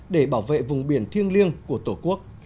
để bảo vệ vùng biển thiêng liêng của tổ quốc